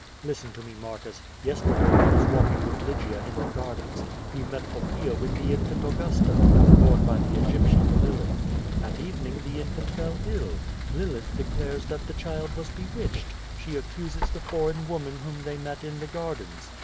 "Listen to me, Marcus, yesterday I was walking with Lygia in the gardens; we met Poppaea with the infant Augusta, borne by the Eg}'ptian, Lilith. At evening the infant fell ill. Lilith declare that the child was bewitched. She accuses the foreign woman whom they met in the gardens.